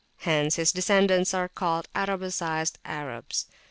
Hence his descendants are called Arabicized Arabs.